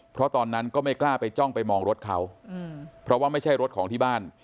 เพราะตอนนั้นก็ไม่กล้าไปจ้องไปมองรถเขาเพราะว่าไม่ใช่รถของที่บ้าน